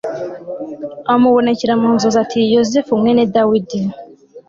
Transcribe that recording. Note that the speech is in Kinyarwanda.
amubonekera mu nzozi ati Yosefu mwene Dawidi